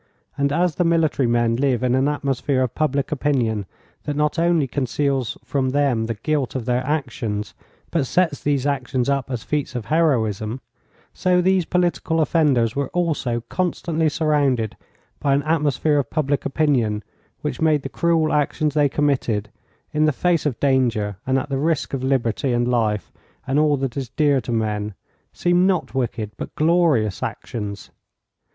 And as the military men live in an atmosphere of public opinion that not only conceals from them the guilt of their actions, but sets these actions up as feats of heroism, so these political offenders were also constantly surrounded by an atmosphere of public opinion which made the cruel actions they committed, in the face of danger and at the risk of liberty and life, and all that is dear to men, seem not wicked but glorious actions.